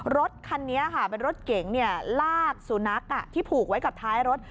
รถคันนี้ค่ะเป็นรถเก๋งลากสุนัขที่ผูกไว้กับท้ายรถ